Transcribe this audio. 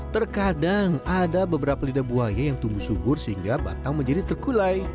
terkadang ada beberapa lidah buaya yang tumbuh subur sehingga batang menjadi terkulai